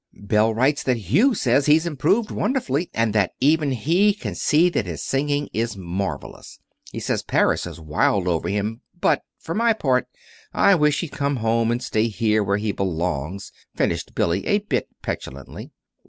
"Belle writes that Hugh says he's improved wonderfully, and that even he can see that his singing is marvelous. He says Paris is wild over him; but for my part, I wish he'd come home and stay here where he belongs," finished Billy, a bit petulantly.